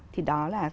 thì đó là